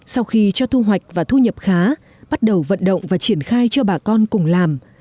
sau khi cho thu hoạch và thu nhập khá bắt đầu vận động và triển khai cho bà con cùng làm